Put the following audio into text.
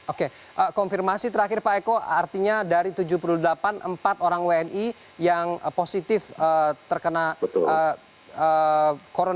oke konfirmasi terakhir pak eko artinya dari tujuh puluh delapan empat orang wni yang positif terkena corona